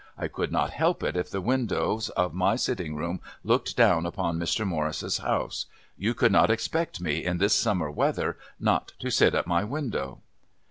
I could not help it if the windows of my sitting room looked down upon Mr. Morris's house. You could not expect me, in this summer weather, not to sit at my window.